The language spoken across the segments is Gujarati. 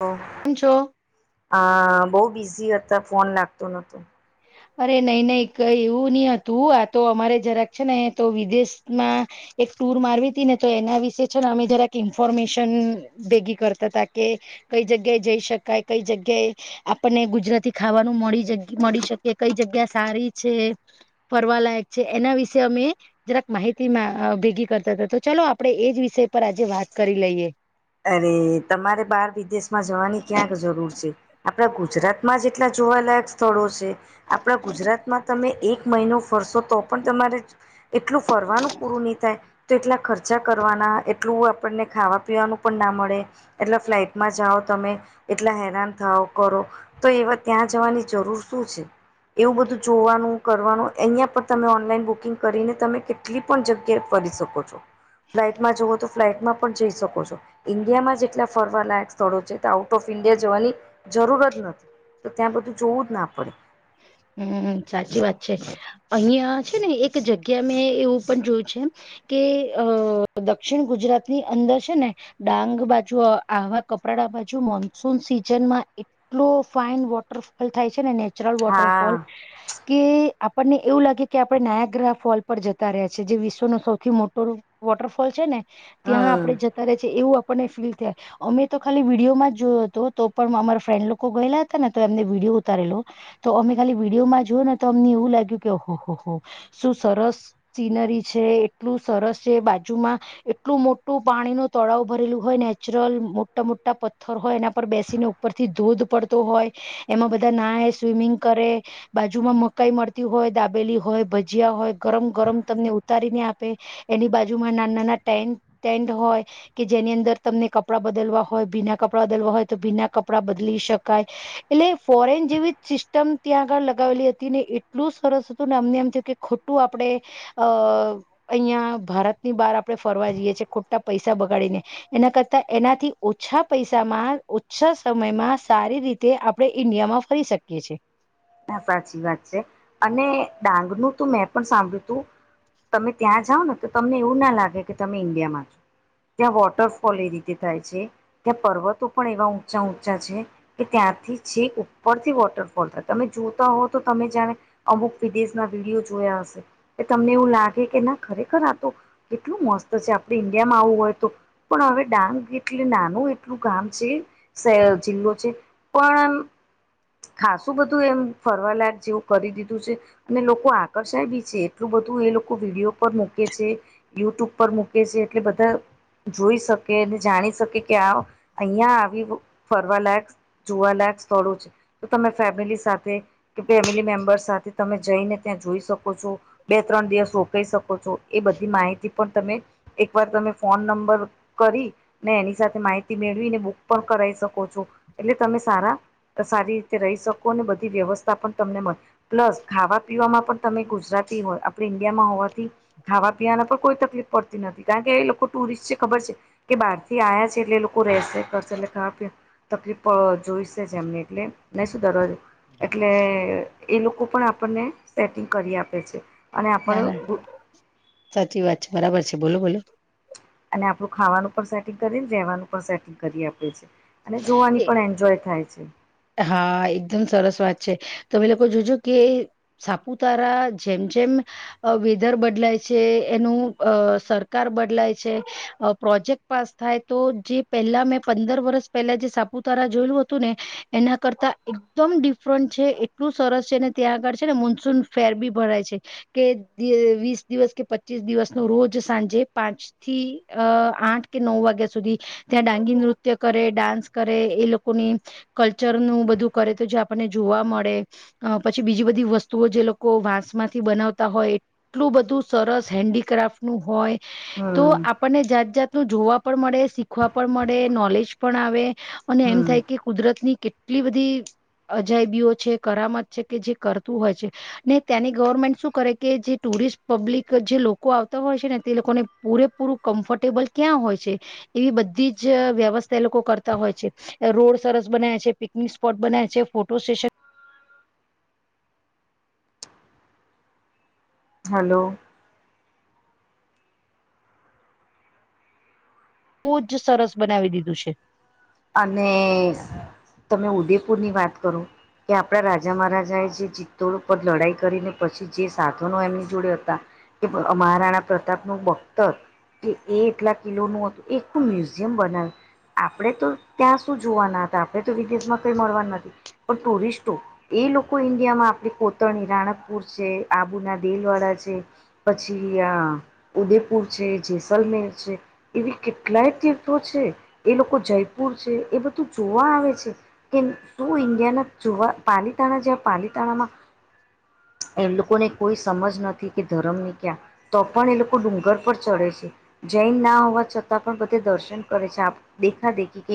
તો કેમ છો. અ બહુ બિઝી હતા ફોન લાગતો નતો. અરે નઈં નઈં કઈ એવું નહીં હતું આ તો અમારે જરાક છે ને તો વિદેશમાં એક ટુર મારવી હતી ને તો એના વિશે છે ને અમે જરાક ઈન્ફોર્મેશન બેેગી કરતા ત કે કઈ જગ્યાએ જઈ શકાય કઈ જગ્યાએ આપણને ગુજરાતી ખાવાનું મળ જ મળી શક કે કઈ જગ્યા સારી છે ફરવા લાયક છે એના વિશે અમે જરાક માહિતી માં ભેગી કરતા હતા તો ચાલો આપડે એજ વિષય પર આજે વાત કરી લઈએ. અરે તમારે બાર વિદેશમાં જવાની ક્યાંક જરૂર છે. આપણા ગુજરાતમાં જ એટલા જોવાલાયક સ્થળો છે. આપણા ગુજરાતમાં તમે એક મહિનો ફરશો તો પણ તમારે એટલું ફરવાનું પૂરું નહીં થાય તો એટલા ખર્ચા કરવાના એટલું આપણને ખાવા પીવાનું પણ ના મળે એટલા ફ્લાઇટમાં જાઓ તમે એટલા હેરાન થઓ કરો તો એવા ત્યાં જવાની જરૂર શું છે એવું બધું જોવાનું કરવાનું અહિયાં પણ તમે ઓનલાઈન બુકિંગ કરીને તમે કેટલી પણ જગ્યાએ ફરી શકો છો. ફ્લાઇટમાં જવું તો ફ્લાઇટમાં પણ જઈ શકો છો. ઈન્ડિયામાં જેટલા ફરવાલાયક સ્થળો છે તે આઉટ ઓફ ઇન્ડિયા જવાની જરૂર જ નથી. તો ત્યાં બધું જોવું જ ના પડે. હમ્મ સાચી વાત છે અહીંય છે ને એક જગ્યા મેં એવું પણ જોયું છે એમ કે અ દક્ષિણ ગુજરાતની અંદર છે ને ડાંગ બાજુ આવા કપરાડા બાજુ મોનસૂન સિઝનમાં એટલો ફાઈન વોટરફોલ થાય છે ને નેચરલ હા વોટરફોલ કે આપણને એવું લાગે કે આપણે નાયાગ્રાહફ હોલ પર જતા રહ્યા છે જે વિશ્વનો સૌથી મોટો વોટરફોલ છે ને ત્યાં હમ આપડે જતા રે છે એવું આપણને ફીલ થાય. અમે તો ખાલી વિડીયોમાં જ જોયો હતો તો પણ અમારા ફ્રેન્ડ લોકો ગયેલા હતા ને તો એમને વિડીયો ઉતારેલો. તો અમે ખાલી વિડીયોમાં જોય ને તો અમને એવું લાગ્યું કે હો હો શું સરસ સીનરી છે એટલું સરસ છે બાજુમાં એટલું મોટું પાણી નું તળાવ ભરેલું હોય નેચરલ મોટા મોટા પથ્થર હોય એના પર બેસીને પરથી ધોધ પડતો હોય એમાં બધા ના યે સ્વિમિંગ કરે બાજુમાં મકાઈ મળતી હોય દાબેલી હોય ભજીયા હોય ગરમ ગરમ તમને ઉતારીને આપે એની બાજુમાં નાના નાના ટે ટેન્ટ હોય કે જેની અંદર તમને કપડાં બદલવા હોય ભીના કપડાં બદલવા હોય તો ભીના કપડા બદલી શકાય એટલે ફોરેન જેવી એકમ ત્યાં આગળ લગાવેલી હતી ને એટલું સરસ હતું ને અમને એમ થયું કે ખોટું આપડે અ અહીંયા ભારતની બહાર આપડે ફરવા જઈએ છીએ ખોટા પૈસા બગાડીને એના કરતા એનાથી ઓછા પૈસામાં ઓછા સમયમાં સારી રીતે તે આપણે ઈન્ડિયામાં ફરી શકીએ છીએ હા સાચી વાત છે અને ડાંગ નું તો મેં પણ સાંભળ્યું તું તમે ત્યાં જાઓ ને તો તમને એવું ના લાગે કે તમે ઇન્ડિયામાં છો ત્યાં વોટરફોલ એ રીતે થાય છે ત્યાં પર્વતો પણ એવા ઊંચા ઊંચા છે કે ત્યાંથી છેક ઉપરથી વોટરફોલ થતો તમે જોતા હોવ તો તમે જાણે અમુક વિદેશના વિડીિયો જોયા હશે કે તમને એવું લાગે કે ના ખરેખર આતો કેટલું મસ્ત છે આપણે ઇન્ડિયામાં આવવું હોય તો પણ હવે ડાંગ એટલે નાનું એટલું ગામ છે જિલ્લો છે પણ આમ ખાસ શું બધું એમ ફરવાલાક જેવું કરી દીધું છે અને લોકો આકર્ષાય બી છે એટલું બધું એ લોકો વિડીયો પર મૂકે છે યુટ્યુબ પર મૂકે છે એટલે બધા જોઈ શકે અને જાણી શકે કે અહિયાં આવી ફરવા લાયક જોવાલાયક સ્થળો છે તો તમે ફેમિલી સાથે કે ફેમિલી મેમ્બર્ સાથે તમે જઈને ત્યાં જોઈ શકો છો બે ત્રણ દિવસ રોકાઈ કહી શકો છો એ બધી માહિતી પણ તમે એક વાર તમે ફોન નંબર કરી ને એની સાથે માહિતી મેળવીને બુક પણ કરાવી શકો છો એટલે તમે સારા સારી રીતે રહી શકો અને બધી વ્યવસ્થા પણ તમને મળે પ્લસ ખાવા પીવામાં પણ તમે ગુજરાતી હોય આપણે ઇન્ડિયામાં હોવાથી ખાવા પીવાના પણ કોઈ તકલીફ પડતી નથી કારણ કે એ લોકો ટુરિસ્ટ છે ખબર છે કે બહાર થી આવયા છે એટલે એ લોકો રહેશે કરશે એટલે ખાવા પી તકલીફ પણ જોઈશે છે એમને એટલે નહી શું દરવાજો એટલે એ લોકો પણ આપને સેટિંગ કરી આપે છે અને ના આપણ ના સાચી વાત છે બરાબર છે બોલો બોલો અને આપણું ખાવાનું પણ સેટિંગ કરીને રેવાનું પણ સેટિંગ કરી આપે છે અને એ જોવાની પણ એન્જોય થાય છે હા એકદમ સરસ વાત છે તમે લોકો જોજો કે સાપુતારા જેમ જેમ અ વેધર બદલાય છે એનું અ સરકાર બદલાય છે પ્રોજેક્ટ પાસ થાય તો જે પહેલા મેં પંદર વર્સ પહેલા જે સાપુતારા જોયેલું હતું ને એના કરતાં એકદમ ડિફરન્ટ છે એટલું સરસ છે અનેને ત્યાં આગળ છે ને મોનસૂન ફેર બી ભરાય છે કે વીસ દિવસ કે પચીસ દિવસ નો રોજ સાંજે પાંચ થી અ આઠ કે નવ વાગ્યા સુધી ત્યાં ડાંગી નૃત્ય કરે ડાન્સ કરે એ લોકોની કલ્ચરનું બધું કરે તો જે આપણને જોવા મળે અ પછી બીજી બધી વસ્તુઓ જે લોકો વાંસ માંથી બનાવતા હોય એટલું બધું સરસ હેન્ડીક્રાફ્ટ નું હોય તો હમ આપને જાત જાતનું જોવા પણ મળે શીખવા પણ મળે નોલેજ પણ આવે અને એમ હમ થાય કે કુદરતની કેટલી બધી અજાયબીઓ છે કરામત છે કે જે કરતું હોય છે ને ત્યાંની ગવર્મેન્ટ શું કરે કે જે ટુરિસ્ટ પબ્લિક જે લોકો આવતા હોય છે ને તે લોકોને પૂરેપૂરું કમ્ફર્ટેબલ ક્યાં હોય છે એવી બધી જ વ્યવસ્થા એ લોકો કરતા હોય છે રોડ સરસ બનાયા છે પિકનિક સ્પોટ બનાયા છે ફોટો સ્ટેશન હલો બહુ જ સરસ બનાવી દીધું છે અને તમે ઉદેપુર ની વાત કરો કે આપણા રાજા મહારાજા એ જે ચિત્તો પર લડાઈ કરીને પછી જે સાધનો એમની જોડે હતા કે મહારાણા પ્રતાપનું પક્ત કે એ એટલા કિલોનું હતું એકું મ્યુઝિયમ બનાવ્યું આપણે તો ત્યાં શું જોવાના હતા આપણે તો વિદેશમાં કઈ મળવા નથી પણ ટુરિસ્ટો એ લોકો ઇન્ડિયા માં આપણે કોતરણી રાણકપુર છે આબુના દેલવાડા છે પછી આ ઉદેપુર છે જેસલમેર છે એવી કેટલાય તીર્થો છે એ લોકો જયપુર છે એ બધું જોવા આવે છે કે શું ઇન્ડિયાના જુવા પાલીતાણા છે પાલીતાણામાં એમ લોકોને કોઈ સમજ નથી કે ધરમ ની ક્યાં તો પણ એ લોકો ડુંગર પર ચડે છે જૈન ના હોવા છતાં પણ બધે દર્શન કરે છે આ દેખા દેખી ક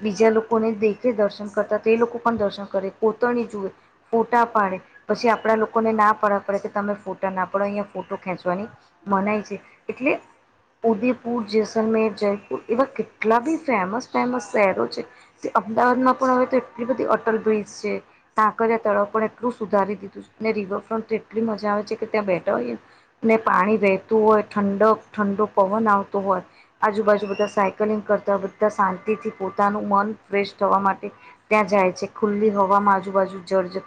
બીજા લોકોને દેખે દર્શન કરતા તે લોકો પણ દર્શન કરે કોતરણી જુએ ફોટા પાડે પછી આપડા લોકોને ના પાડવા પડે કે તમે ફોટા ના પડો અહીયાંયા ફોટો ખેંચવાની મનાઈ છે એટલે ઉદેપુર જેૈસલમેર જયપુર એવા કેટલા બી ફેમસ ફેમસ શહેરો છે અમદાવાદમાં પણ હવે તો એટલી બધી અટલ બ્રિજ છે કાંકરિયા તળાવ પણ એટલું સુધારી દીધું ને રિવરફ્રન્ટ એટલી મજા આવે છે કે ત્યાં બેઠા હોઈએ ને ને પાણી વહેતું હોય ઠંડક ઠંડુ પવન આવતું હોય આજુબાજુ બધા સાયકલિંગ કરતા બધા શાંતિથી પોતાનું મન ફ્રેશ થવા માટે ત્યાં જાય છે. ખુલ્લી હવાવામાં આજુબાજુ જળજ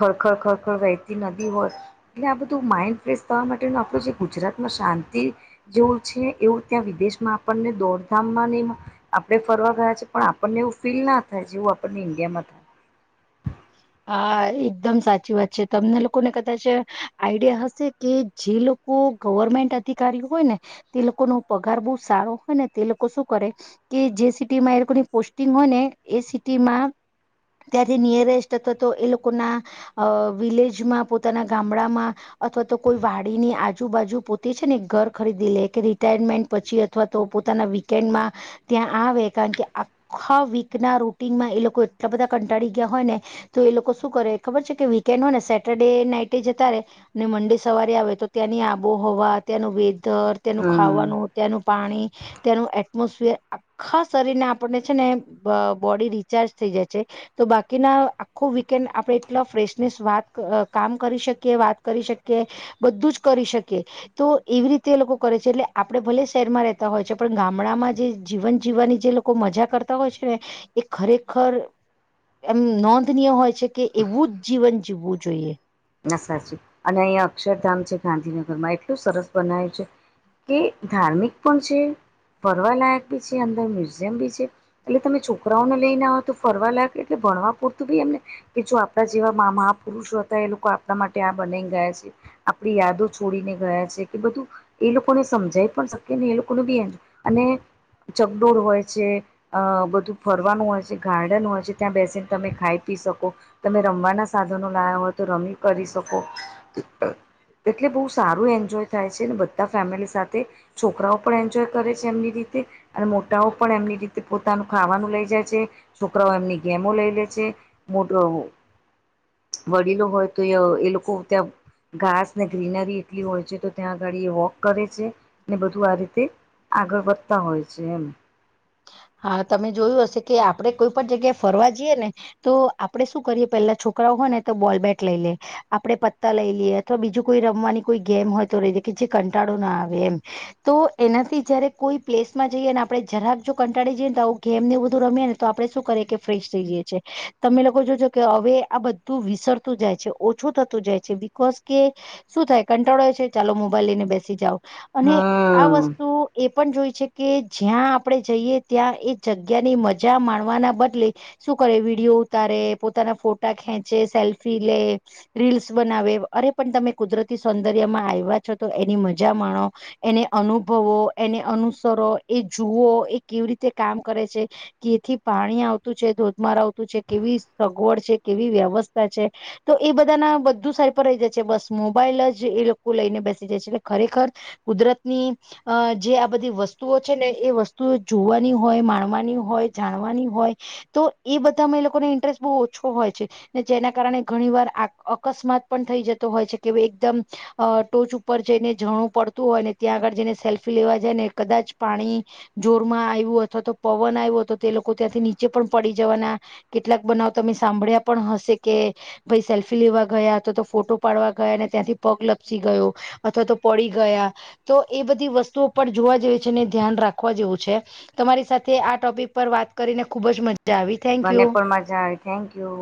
ખરખર ખરખળ વહેતી નદી હોય એટલે આ બધું માઈન્ડ ફ્રેશ થવા માટેનો આપણું જે ગુજરાતમાં શાંતિ જેવું છે એવું ત્યાં વિદેશમાં આપણને દોડધામ માં નહી આપડે ફરવા ગયા છે પણ આપણને એવું ફીલ ના થાય જેવું આપણને ઇન્ડિયામાં થાય હા એકદમ સાચી વાત છે તમને લોકોને કદાચ આઈડિયા હશે કે જે લોકો ગવર્મેન્ટ અધિકારીઓ હોય ને તે લોકો નો પગાર બહુ સારો હોય ને તે લોકો શું કરે કે જે સિટીમાં એ લોકોની પોસ્ટિંગ હોય ને એ સિટી માં ત્યાંથી નિયરેસ્ટ તથા તો એ લોકોના અ વિલેજમાં પોતાના ગામડામાં અથવા તો કોઈ વાડીની આજુબાજુ પોતે છે ને ઘર ખરીદી લે કે રિટાયરમેન્ટ પછી અથવા તો પોતાના વીકેન્ડમાં ત્યાં આવે કારણ કે આખા વીક ના રૂટીનમાં એ લોકો એટલા બધા કંટાળી ગયા હોય ને તો એ લોકો શું કરે ખબર છે કે વીકેન્ડ હોય ને સેટરડે નાઈટે જતા રહેે ને મંડે સવારે આવે તો ત્યાંની આબોહવા ત્યાંનું વેધર તેયાંનું હમ ખાવાનું ત્યાં નુ પાણી ત્યાંનું એટમોસફિયર આખા શરીરને આપણને છે ને બ બોડી રિચાર્જ થઈ જાય છે તો બાકીના ખુબ વીકેન્ડ આપડે એટલા ફ્રેશનેસ વાત કામ કરી શકીએ વાત કરી શકીએ બધું જ કરી શકે તો એવી રીતે એ લોકો કરે છે એટલે આપડે ભલે શહેરમાં રહેતા હોય છે પણ ગામડામાં જે જીવન જીવવાની જે લોકો મજા કરતા હોય છે ને એ ખરેખર એમ નો ય હોય છે કે એવું જ જીવન જીવવું જોઈએ ના સાચી અને અહીયાં અક્ષરધામ છે ગાંધીનગર માં એટલું સરસ બનાયું છે કે ધાર્મિક પણ છે, ફરવાલાયક બી છે, અંદર મ્યુઝિયમ બી છે. એટલે તમે છોકરાઓને લઈને આવ તો ફરવા લાગ એટલે ભણવા પૂરતું ભાઈ એમને કે જો આપણા જેવા મહાપુરુષો હતા એ લોકો આપણા માટે આ બનાઈ ગયા છે. આપણી યાદો છોડીને ગયા છે કે બધું એ લોકોને સમજાઈ પણ શકે ને એ લોકોનું બી એ અને ચગડોળ હોય છે. અ બધું ફરવાનું હોય છે, ગાર્ડન હોય છે, ત્યાં બેસીને તમે ખાઈ પી શકો. તમે રમવાના સાધનો લાવ્યા હોય તો રમી કરી શકો. એટલે બહુ સારું એન્જોય થાય છે ને બધા ફેમિલી સાથે છોકરાઓ પણ એન્જોય કરે છે એમની રીતે અને મોટાઓ પણ એમની રીતે પોતાનું ખાવાનું લઈ જાય છે છોકરાઓ એમની ગેમો લઈ લે છે. [inaudible] વડીલો હોય તો એ લોકો ત્યાં ઘાસ ને ગ્રીનરી એટલી હોય છે તો ત્યાં ગાડી એ વોક કરે છે ને બધું આ રીતે આગળ વધતા હોય છે એમ હા તમે જોયું હશે કે આપણેે કોઈ પણ જગ્યાએ ફરવા જઈએ ને તો આપડે શું કરીએ પેલા છોકરાઓ હોય ને તો બોલ- બેટ લઈ લે આપણે પત્તા લઈ લઈએ અથવા બીજું કોઈ રમવાની કોઈ ગેમ હોય તો રહી દે કે જે કંટાળો ના આવે એમ તો એનાથી જયારે કોઈ પ્લેસ માં જઈએ અને આપણે જરાક જો કંટાળી જઈએને તો આવ ગેમ ને બધું રમીએ ને તો આપણે શું કરીએ કે ફ્રેશ થઈ જઈએ છીએ તમે લોકો જોજો કે હવે આ બધ તુ વિસરતું જાય છે ઓછું થતું જાય છે બિકોઝ કે શું થાય કંટાળો આયો છે ચાલો મોબાઈલ લઈને બેસી જાવ અને આ હમ વસ્તુ એ પણ જોઈ છે કે જ્યાં આપણે જઈએ ત્યાં એ જગ્યાની મજા માણવાના બદલે શું કરે વિડીયો ઉતારે પોતાના ફોટા ખેંચે, સેલ્ફી લે રીલ્સ બનાવે અરે પણ તમે કુદરતી સૌંદર્યમાં આવ્યા છો તો એની મજા માણો એને અનુભવો, એને અનુસરો, એ જુઓ એ કેવી રીતે કામ કરે છે. કેથી પાણી આવતું છે, ધોધમાર આવતું છે, કેવી સગવડ છે, કેવી વ્યવસ્થા છે? તો એ બધાના બધું સાઈડ પર રહી જાય છે બસ મોબાઈલ જ એ લોકો લઈને બેસી જાય છે એટલે ખરેખર કુદરત ની અ જે આ બધી વસ્તુઓ છે ને એ વસ્તુ જોવાની હોય, માણવાની હોય, જાણવાની હોય તો એ બધામાં એ લોકોને ઇન્ટરેસ્ટ બહુ ઓછો હોય છે. ને જેના કારણે ઘણી વાર અકસ્માત પણ થઈ જતો હોય છે કે એકદમ અ ટોચ ઉપર જઈને ઝરણું પડતું હોય ને ત્યાં આગળ જઈને સેલ્ફી લેવા જાય ને કદાચ પાણી જોરમાં આવ્યું અથવા તો પવન આવ્યો તો તે લોકો ત્યાંથી નીચે પણ પડી જવાના કેટલાક બનાવ તમે સાંભળ્યા પણ હશે કે ભાઈ સેલ્ફી લેવા ગયા તો તો ફોટો પાડવા ગયા ને ત્યાંથી પગ લપસી ગયો અથવા તો પડી ગયા તો એ બધી વસ્તુઓ પણ જોવા જેવી છે ને ધ્યાન રાખવા જેવું છે. તમારી સાથે આ ટોપિક પર વાત કરીને ખુબ જ મજા આવી. થેન્ક મને યુ પણ મજા આવી થેન્ક યુ.